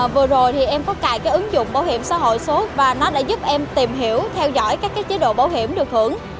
vừa rồi thì em có cài cái ứng dụng bảo hiểm xã hội số và nó đã giúp em tìm hiểu theo dõi các chế độ bảo hiểm được hưởng